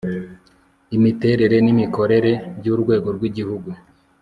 imiterere n'imikorere by'urwego rw'igihugu